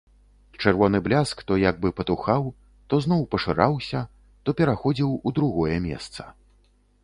Чырвоны бляск то як бы патухаў, то зноў пашыраўся, то пераходзіў у другое месца.